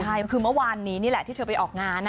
ใช่คือเมื่อวานนี้นี่แหละที่เธอไปออกงาน